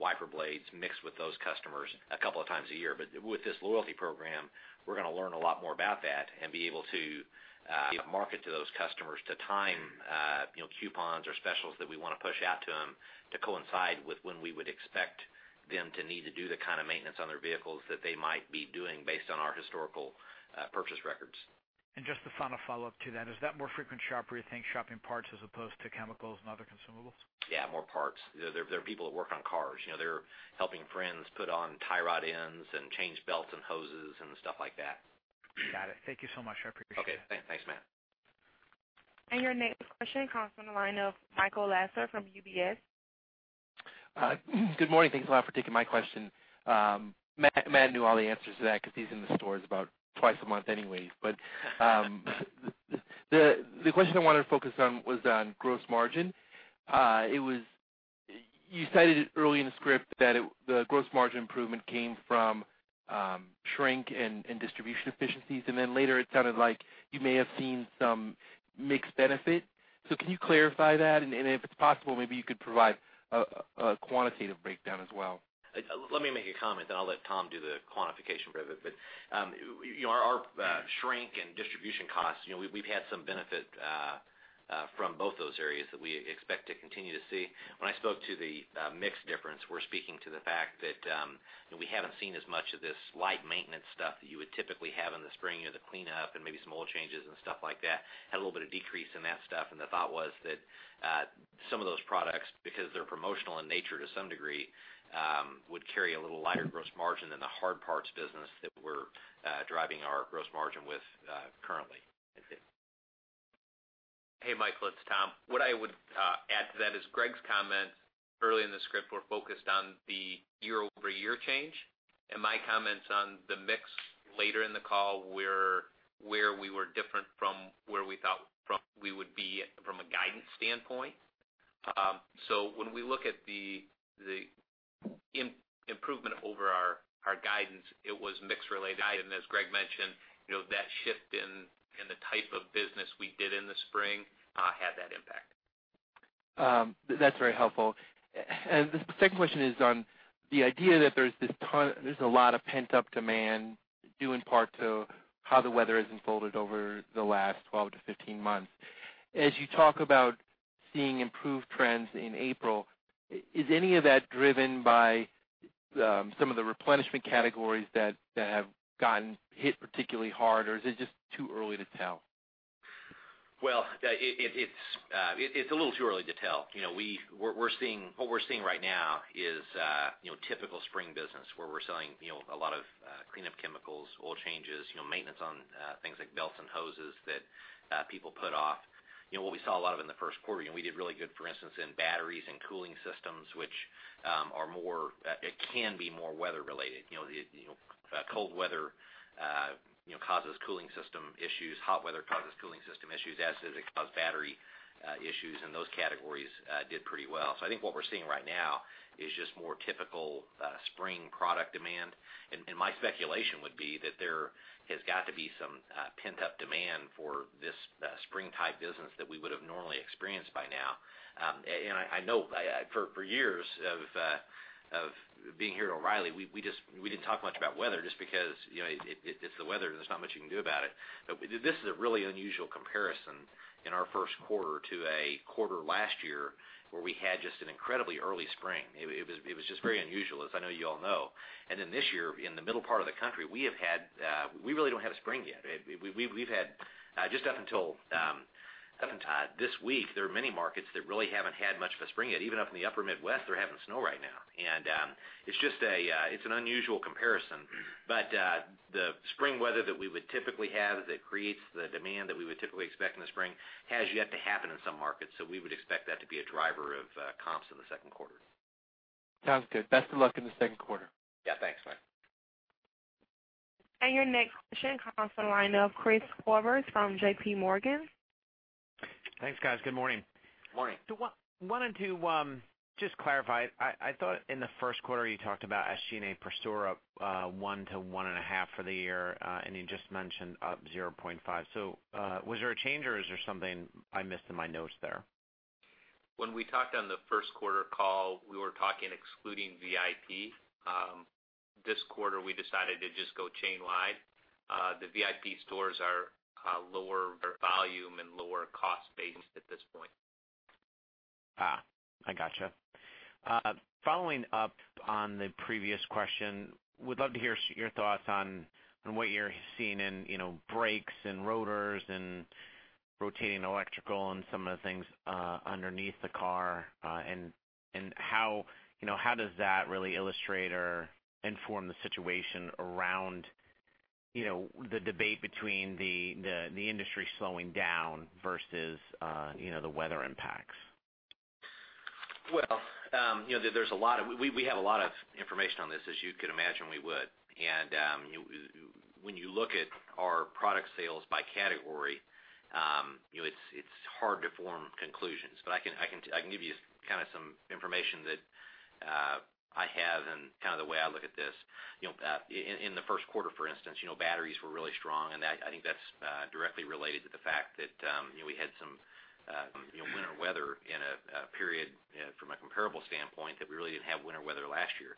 wiper blades, mix with those customers a couple of times a year. With this loyalty program, we're going to learn a lot more about that and be able to market to those customers to time coupons or specials that we want to push out to them to coincide with when we would expect them to need to do the kind of maintenance on their vehicles that they might be doing based on our historical purchase records. Just the final follow-up to that, is that more frequent shopper you think shopping parts as opposed to chemicals and other consumables? Yeah, more parts. They're people that work on cars. They're helping friends put on tie rod ends and change belts and hoses and stuff like that. Got it. Thank you so much, I appreciate it. Okay, thanks, Matt. Your next question comes from the line of Michael Lasser from UBS. Good morning. Thanks a lot for taking my question. Matt knew all the answers to that because he's in the stores about twice a month anyways, the question I wanted to focus on was on gross margin. You cited early in the script that the gross margin improvement came from shrink and distribution efficiencies, then later it sounded like you may have seen some mixed benefit. Can you clarify that? If it's possible, maybe you could provide a quantitative breakdown as well. Let me make a comment, then I'll let Tom do the quantification part of it. Our shrink and distribution costs, we've had some benefit from both those areas that we expect to continue to see. When I spoke to the mix difference, we're speaking to the fact that we haven't seen as much of this light maintenance stuff that you would typically have in the spring, the cleanup and maybe some oil changes and stuff like that. Had a little bit of decrease in that stuff, the thought was that some of those products, because they're promotional in nature to some degree, would carry a little lighter gross margin than the hard parts business that we're driving our gross margin with currently. Thank you. Hey, Michael, it's Tom. What I would add to that is Greg's comment early in the script were focused on the year-over-year change, and my comments on the mix later in the call were where we were different from where we thought we would be from a guidance standpoint. When we look at the improvement over our guidance, it was mix-related item. As Greg mentioned, that shift in the type of business we did in the spring had that impact. That's very helpful. The second question is on the idea that there's a lot of pent-up demand due in part to how the weather has unfolded over the last 12 to 15 months. As you talk about seeing improved trends in April, is any of that driven by some of the replenishment categories that have gotten hit particularly hard, or is it just too early to tell? Well, it's a little too early to tell. What we're seeing right now is typical spring business where we're selling a lot of cleanup chemicals, oil changes, maintenance on things like belts and hoses that people put off. What we saw a lot of in the first quarter, we did really good, for instance, in batteries and cooling systems, which can be more weather related. Cold weather causes cooling system issues. Hot weather causes cooling system issues, as does it cause battery issues, and those categories did pretty well. I think what we're seeing right now is just more typical spring product demand. My speculation would be that there has got to be some pent-up demand for this spring type business that we would have normally experienced by now. I know for years of being here at O'Reilly, we didn't talk much about weather just because it's the weather. There's not much you can do about it. This is a really unusual comparison in our first quarter to a quarter last year where we had just an incredibly early spring. It was just very unusual, as I know you all know. This year, in the middle part of the country, we really don't have a spring yet. Just up until this week, there are many markets that really haven't had much of a spring yet. Even up in the upper Midwest, they're having snow right now. It's an unusual comparison. The spring weather that we would typically have that creates the demand that we would typically expect in the spring has yet to happen in some markets. We would expect that to be a driver of comps in the second quarter. Sounds good. Best of luck in the second quarter. Thanks, Mike. Your next question comes from the line of Chris Horvers from JPMorgan. Thanks, guys. Good morning. Morning. Wanted to just clarify, I thought in the first quarter you talked about SG&A per store up 1 to 1.5 for the year, you just mentioned up 0.5. Was there a change or is there something I missed in my notes there? When we talked on the first quarter call, we were talking excluding VIP. This quarter, we decided to just go chain wide. The VIP stores are lower volume and lower cost based at this point. I got you. Following up on the previous question, would love to hear your thoughts on what you're seeing in brakes and rotors and rotating electrical and some of the things underneath the car, how does that really illustrate or inform the situation around the debate between the industry slowing down versus the weather impacts. Well, we have a lot of information on this, as you could imagine we would. When you look at our product sales by category, it's hard to form conclusions. I can give you some information that I have and the way I look at this. In the first quarter, for instance, batteries were really strong, and I think that's directly related to the fact that we had some winter weather in a period from a comparable standpoint that we really didn't have winter weather last year.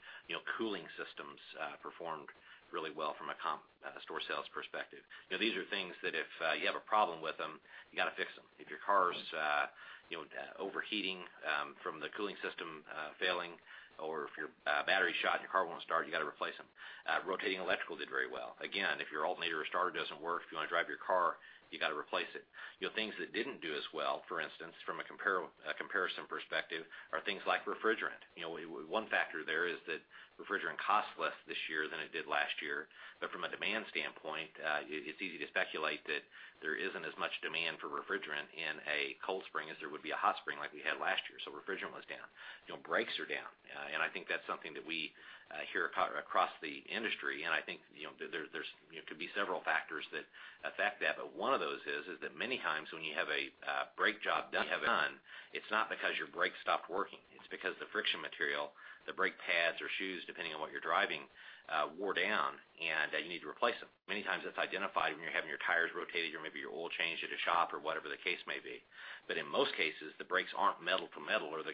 Cooling systems performed really well from a comp store sales perspective. These are things that if you have a problem with them, you got to fix them. If your car's overheating from the cooling system failing, or if your battery's shot and your car won't start, you got to replace them. Rotating electrical did very well. Again, if your alternator or starter doesn't work, if you want to drive your car, you got to replace it. Things that didn't do as well, for instance, from a comparison perspective, are things like refrigerant. One factor there is that refrigerant costs less this year than it did last year. From a demand standpoint, it's easy to speculate that there isn't as much demand for refrigerant in a cold spring as there would be a hot spring like we had last year. Refrigerant was down. Brakes are down. I think that's something that we hear across the industry, and I think there could be several factors that affect that. One of those is that many times when you have a brake job done, it's not because your brakes stopped working. It's because the friction material, the brake pads or shoes, depending on what you're driving, wore down and you need to replace them. Many times that's identified when you're having your tires rotated or maybe your oil changed at a shop or whatever the case may be. In most cases, the brakes aren't metal to metal or the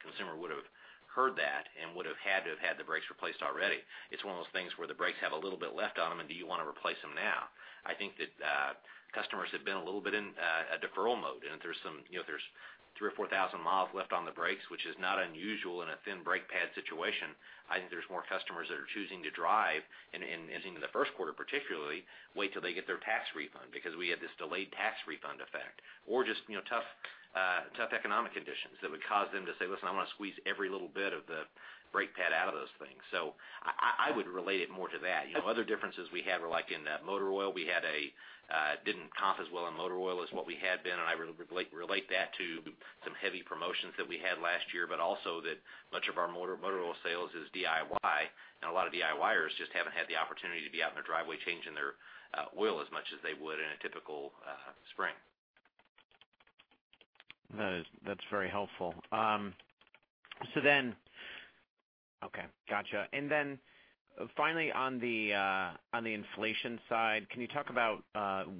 consumer would've heard that and would've had to have had the brakes replaced already. It's one of those things where the brakes have a little bit left on them and do you want to replace them now? I think that customers have been a little bit in a deferral mode, and if there's 3,000 or 4,000 miles left on the brakes, which is not unusual in a thin brake pad situation, I think there's more customers that are choosing to drive and, in the first quarter particularly, wait till they get their tax refund because we had this delayed tax refund effect. Or just tough economic conditions that would cause them to say, "Listen, I want to squeeze every little bit of the brake pad out of those things." I would relate it more to that. Other differences we had were like in motor oil. We didn't comp as well in motor oil as what we had been, and I relate that to some heavy promotions that we had last year, but also that much of our motor oil sales is DIY, and a lot of DIYers just haven't had the opportunity to be out in their driveway changing their oil as much as they would in a typical spring. That's very helpful. Okay, got you. Finally on the inflation side, can you talk about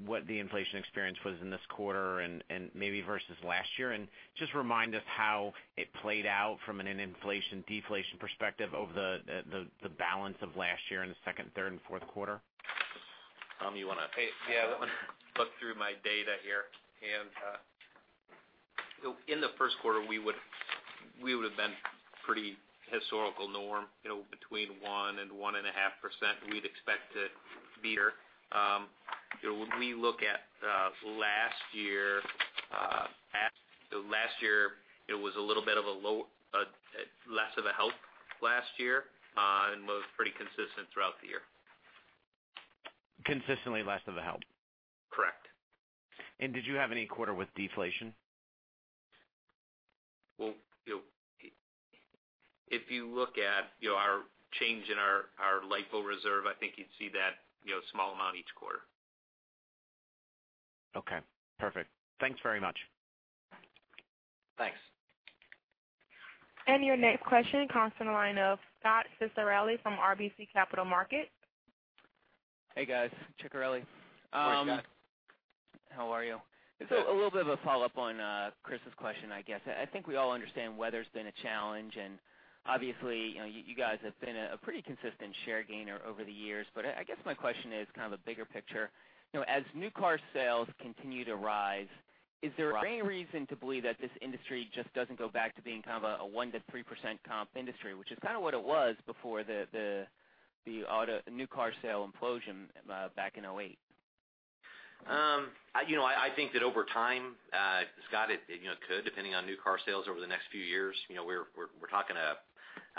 what the inflation experience was in this quarter and maybe versus last year? Just remind us how it played out from an inflation/deflation perspective over the balance of last year in the second, third, and fourth quarter. You wanna- Yeah. Look through my data here. In the first quarter, we would've been pretty historical norm, between 1%-1.5% we'd expect to be here. When we look at last year, it was a little bit of a less of a help last year, and was pretty consistent throughout the year. Consistently less of a help? Correct. Did you have any quarter with deflation? Well, if you look at our change in our LIFO reserve, I think you'd see that small amount each quarter. Okay, perfect. Thanks very much. Thanks. Your next question comes from the line of Scot Ciccarelli from RBC Capital Markets. Hey, guys, Ciccarelli. Hey, Scot. How are you? Good. A little bit of a follow-up on Chris's question, I guess. I think we all understand weather's been a challenge, and obviously, you guys have been a pretty consistent share gainer over the years. I guess my question is kind of a bigger picture. As new car sales continue to rise, is there any reason to believe that this industry just doesn't go back to being kind of a 1%-3% comp industry, which is kind of what it was before the new car sale implosion back in 2008? I think that over time, Scot, it could, depending on new car sales over the next few years. We're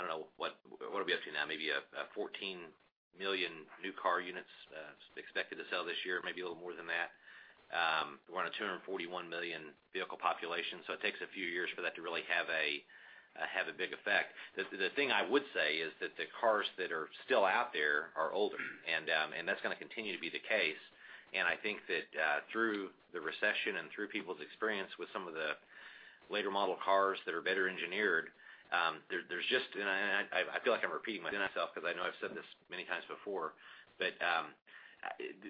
talking, I don't know, what are we up to now? Maybe 14 million new car units expected to sell this year, maybe a little more than that. We're on a 241 million vehicle population, it takes a few years for that to really have a big effect. The thing I would say is that the cars that are still out there are older, and that's going to continue to be the case. I think that through the recession and through people's experience with some of the later model cars that are better engineered, I feel like I'm repeating myself because I know I've said this many times before,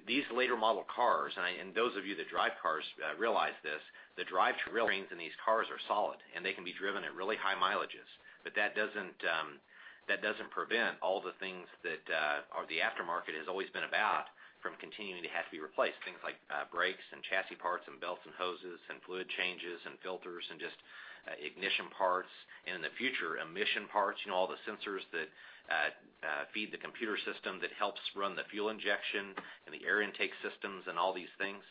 these later model cars, and those of you that drive cars realize this, the drivetrain in these cars are solid, and they can be driven at really high mileages. That doesn't prevent all the things that the aftermarket has always been about from continuing to have to be replaced. Things like brakes and chassis parts and belts and hoses and fluid changes and filters and just ignition parts and, in the future, emission parts and all the sensors that feed the computer system that helps run the fuel injection and the air intake systems and all these things.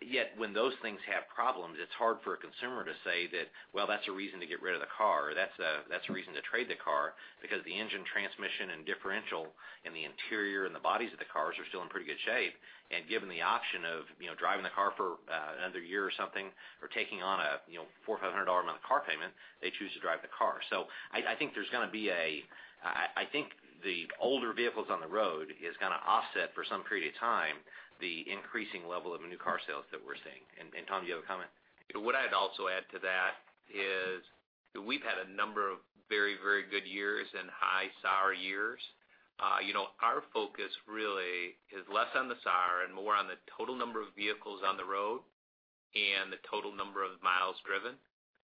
Yet, when those things have problems, it's hard for a consumer to say that, well, that's a reason to get rid of the car, or that's a reason to trade the car, because the engine transmission and differential and the interior and the bodies of the cars are still in pretty good shape. Given the option of driving the car for another year or something, or taking on a $400 or $500 a month car payment, they choose to drive the car. I think the older vehicles on the road is going to offset for some period of time the increasing level of new car sales that we're seeing. Tom, do you have a comment? What I'd also add to that is we've had a number of very good years and high SAR years. Our focus really is less on the SAR and more on the total number of vehicles on the road and the total number of miles driven.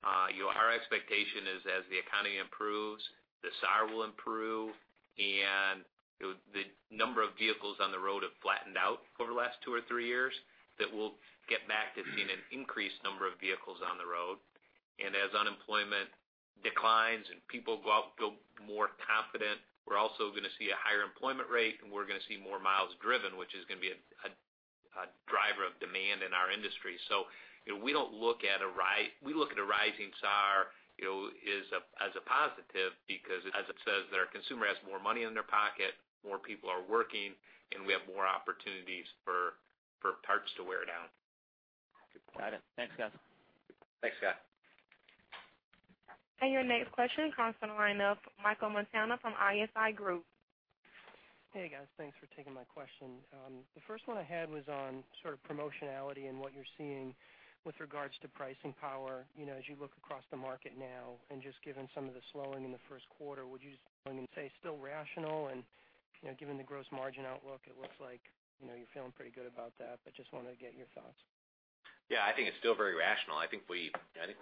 Our expectation is as the economy improves, the SAR will improve and the number of vehicles on the road have flattened out over the last two or three years, that we'll get back to seeing an increased number of vehicles on the road. As unemployment declines and people feel more confident, we're also going to see a higher employment rate and we're going to see more miles driven, which is going to be a driver of demand in our industry. We look at a rising SAR as a positive because, as it says, their consumer has more money in their pocket, more people are working, and we have more opportunities for parts to wear down. Got it. Thanks, guys. Thanks, Scot. Your next question comes on line of Michael Montani from ISI Group. Hey, guys. Thanks for taking my question. The first one I had was on sort of promotionality and what you're seeing with regards to pricing power as you look across the market now and just given some of the slowing in the first quarter, would you say still rational and, given the gross margin outlook, it looks like you're feeling pretty good about that, but just wanted to get your thoughts. Yeah, I think it's still very rational. I think we're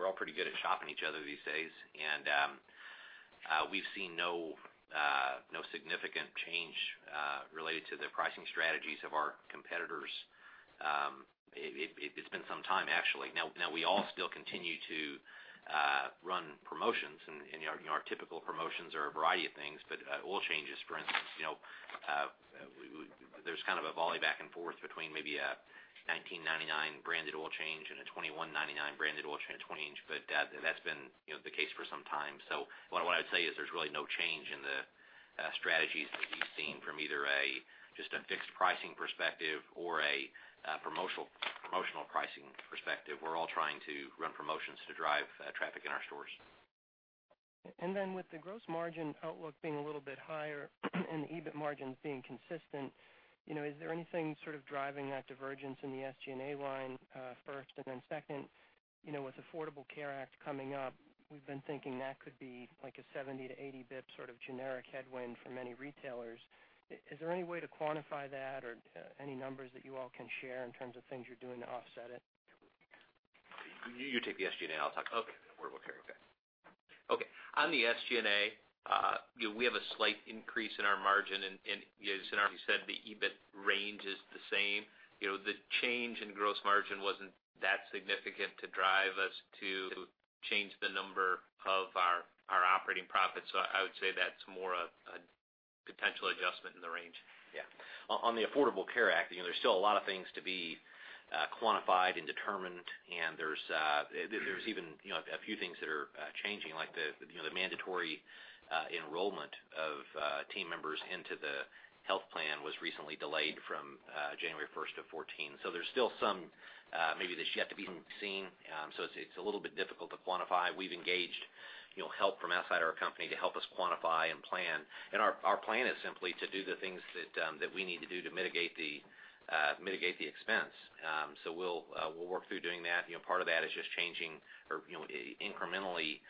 all pretty good at chopping each other these days, we've seen no significant change related to the pricing strategies of our competitors. It's been some time, actually. We all still continue to run promotions, and our typical promotions are a variety of things, but oil changes, for instance, there's kind of a volley back and forth between maybe a $19.99 branded oil change and a $21.99 branded oil change, but that's been the case for some time. What I'd say is there's really no change in the strategies that we've seen from either just a fixed pricing perspective or a promotional pricing perspective. We're all trying to run promotions to drive traffic in our stores. With the gross margin outlook being a little bit higher and the EBIT margin being consistent, is there anything sort of driving that divergence in the SG&A line first and then second, with Affordable Care Act coming up, we've been thinking that could be like a 70-80 basis points sort of generic headwind for many retailers. Is there any way to quantify that or any numbers that you all can share in terms of things you're doing to offset it? You take the SG&A, I'll talk Affordable Care. Okay. Okay. On the SG&A, we have a slight increase in our margin, and as you said, the EBIT range is the same. The change in gross margin wasn't that significant to drive us to change the number of our operating profits. I would say that's more of a potential adjustment in the range. Yeah. On the Affordable Care Act, there's still a lot of things to be quantified and determined, and there's even a few things that are changing, like the mandatory enrollment of team members into the health plan was recently delayed from January 1st of 2014. There's still some maybe that's yet to be seen. It's a little bit difficult to quantify. We've engaged help from outside our company to help us quantify and plan, and our plan is simply to do the things that we need to do to mitigate the expense. We'll work through doing that. Part of that is just changing or incrementally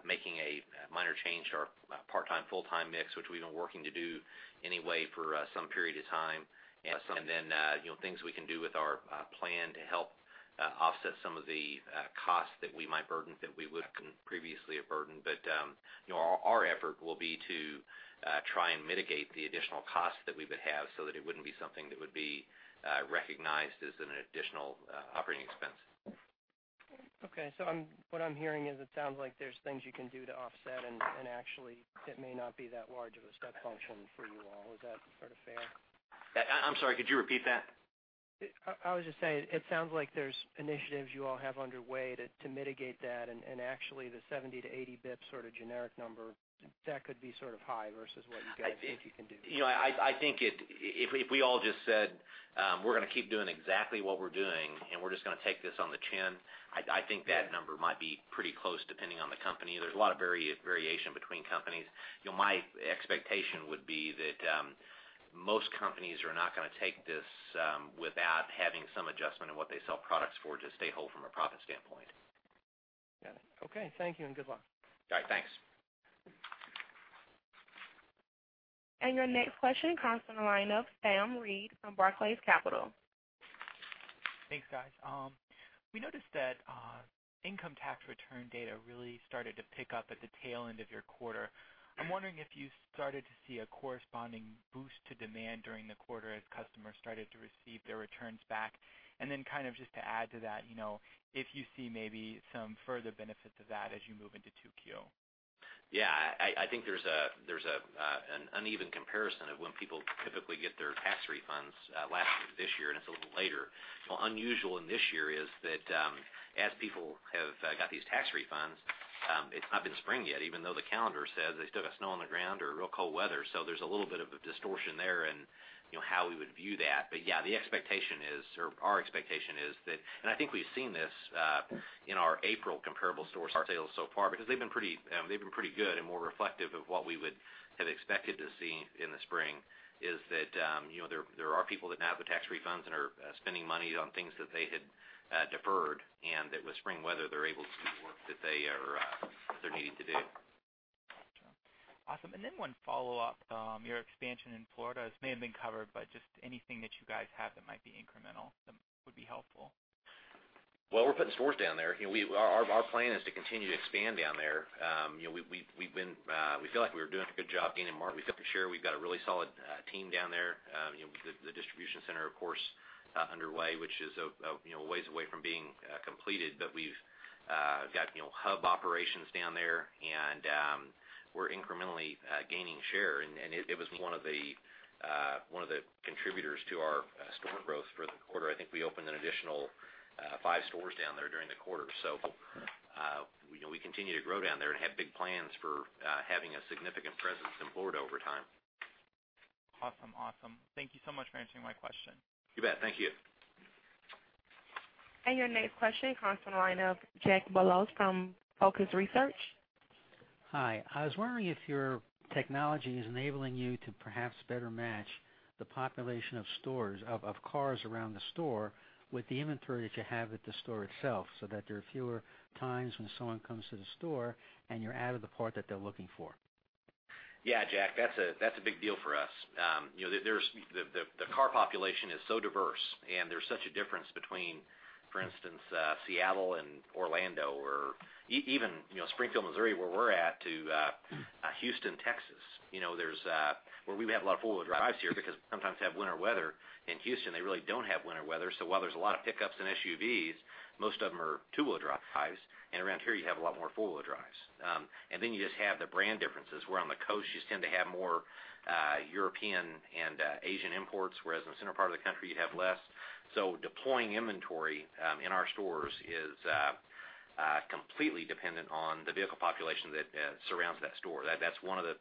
making a minor change to our part-time, full-time mix, which we've been working to do anyway for some period of time. Then things we can do with our plan to help offset some of the costs that we might burden that we wouldn't previously have burdened. Our effort will be to try and mitigate the additional costs that we would have so that it wouldn't be something that would be recognized as an additional operating expense. Okay. What I'm hearing is it sounds like there's things you can do to offset and actually it may not be that large of a step function for you all. Is that sort of fair? I'm sorry, could you repeat that? I was just saying it sounds like there's initiatives you all have underway to mitigate that and actually the 70 basis points-80 basis points sort of generic number, that could be sort of high versus what you guys think you can do. I think if we all just said, "We're going to keep doing exactly what we're doing, and we're just going to take this on the chin," I think that number might be pretty close, depending on the company. There's a lot of variation between companies. My expectation would be that most companies are not going to take this without having some adjustment in what they sell products for, to stay whole from a profit standpoint. Got it. Okay. Thank you and good luck. All right. Thanks. Your next question comes on the line of Sam Reid from Barclays Capital. Thanks, guys. We noticed that income tax return data really started to pick up at the tail end of your quarter. I'm wondering if you started to see a corresponding boost to demand during the quarter as customers started to receive their returns back, and then kind of just to add to that, if you see maybe some further benefit to that as you move into 2Q. Yeah. I think there's an uneven comparison of when people typically get their tax refunds last year, this year, and it's a little later. Well, unusual in this year is that, as people have got these tax refunds, it's not been spring yet, even though the calendar says. They still got snow on the ground or real cold weather. There's a little bit of a distortion there in how we would view that. Yeah, the expectation is, or our expectation is that I think we've seen this in our April comparable stores sales so far because they've been pretty good and more reflective of what we would have expected to see in the spring, is that there are people that now have the tax refunds and are spending money on things that they had deferred, and with spring weather, they're able to do the work that they're needing to do. Got you. Awesome. One follow-up. Your expansion in Florida, this may have been covered, just anything that you guys have that might be incremental that would be helpful. Well, we're putting stores down there. Our plan is to continue to expand down there. We feel like we're doing a good job gaining market share. We've got a really solid team down there. The distribution center, of course, underway, which is a ways away from being completed. We've got hub operations down there, and we're incrementally gaining share, and it was one of the contributors to our store growth for the quarter. I think we opened an additional five stores down there during the quarter. We continue to grow down there and have big plans for having a significant presence in Florida over time. Awesome. Thank you so much for answering my question. You bet. Thank you. Your next question comes on the line of Jack Bolos from Focus Research. Hi. I was wondering if your technology is enabling you to perhaps better match the population of stores, of cars around the store with the inventory that you have at the store itself, so that there are fewer times when someone comes to the store and you're out of the part that they're looking for. Yeah, Jack, that's a big deal for us. The car population is so diverse, and there's such a difference between, for instance, Seattle and Orlando or even Springfield, Missouri, where we're at, to Houston, Texas. We have a lot of four-wheel drives here because sometimes we have winter weather. In Houston, they really don't have winter weather. While there's a lot of pickups and SUVs, most of them are two-wheel drives. Around here, you have a lot more four-wheel drives. Then you just have the brand differences, where on the coast, you just tend to have more European and Asian imports, whereas in the center part of the country, you have less. Deploying inventory in our stores is completely dependent on the vehicle population that surrounds that store. That's one of the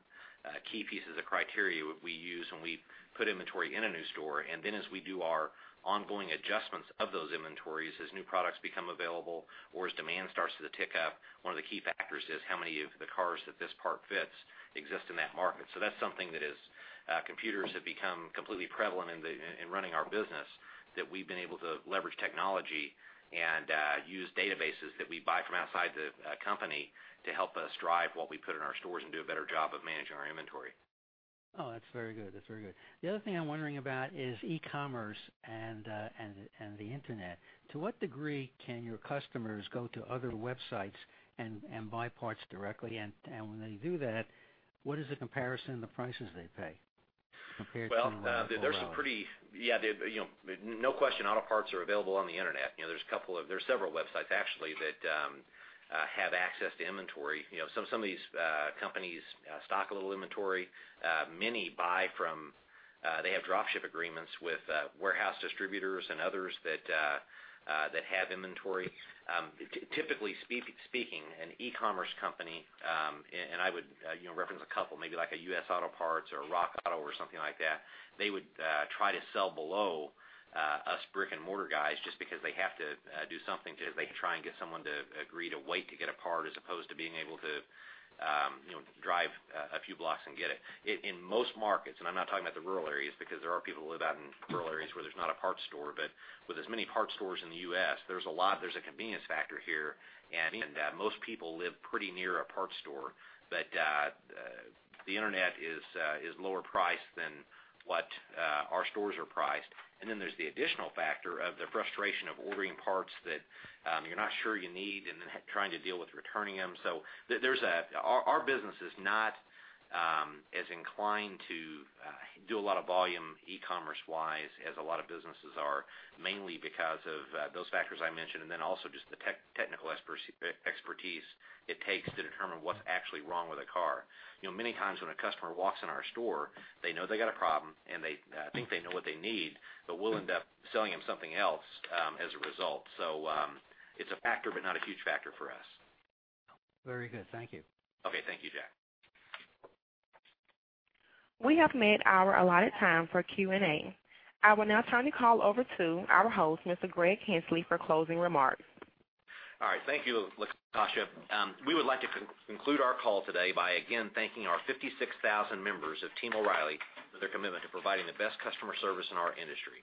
key pieces of criteria we use when we put inventory in a new store. Then as we do our ongoing adjustments of those inventories, as new products become available or as demand starts to tick up, one of the key factors is how many of the cars that this part fits exist in that market. That's something that is computers have become completely prevalent in running our business that we've been able to leverage technology and use databases that we buy from outside the company to help us drive what we put in our stores and do a better job of managing our inventory. Oh, that's very good. The other thing I'm wondering about is e-commerce and the internet. To what degree can your customers go to other websites and buy parts directly? When they do that, what is the comparison in the prices they pay compared to O'Reilly? Well, no question, auto parts are available on the internet. There's several websites actually that have access to inventory. Some of these companies stock a little inventory. Many have drop ship agreements with warehouse distributors and others that have inventory. Typically speaking, an e-commerce company, and I would reference a couple, maybe like a U.S. Auto Parts or RockAuto or something like that, they would try to sell below us brick-and-mortar guys just because they have to do something to try and get someone to agree to wait to get a part as opposed to being able to drive a few blocks and get it. In most markets, and I'm not talking about the rural areas, because there are people who live out in rural areas where there's not a parts store, but with as many parts stores in the U.S., there's a convenience factor here. Most people live pretty near a parts store, but the internet is lower price than what our stores are priced. Then there's the additional factor of the frustration of ordering parts that you're not sure you need and then trying to deal with returning them. Our business is not as inclined to do a lot of volume e-commerce wise as a lot of businesses are, mainly because of those factors I mentioned, and then also just the technical expertise it takes to determine what's actually wrong with a car. Many times when a customer walks in our store, they know they got a problem and they think they know what they need, but we'll end up selling them something else as a result. It's a factor, but not a huge factor for us. Very good. Thank you. Okay. Thank you, Jack. We have met our allotted time for Q&A. I will now turn the call over to our host, Mr. Greg Henslee, for closing remarks. All right. Thank you, Latasha. We would like to conclude our call today by again thanking our 56,000 members of Team O'Reilly for their commitment to providing the best customer service in our industry.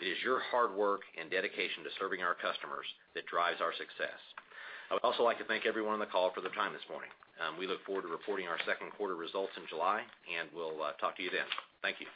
It is your hard work and dedication to serving our customers that drives our success. I would also like to thank everyone on the call for their time this morning. We look forward to reporting our second quarter results in July, and we'll talk to you then. Thank you.